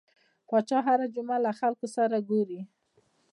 پاچا هر جمعه له خلکو سره ګوري .